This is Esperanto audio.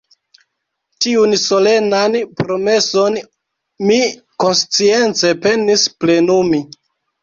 Tiun solenan promeson mi konscience penis plenumi.